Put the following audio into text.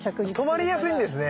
止まりやすいんですね？